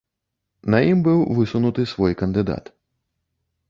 На ім быў высунуты свой кандыдат.